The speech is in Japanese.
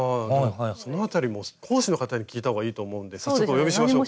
その辺りも講師の方に聞いたほうがいいと思うんで早速お呼びしましょうか。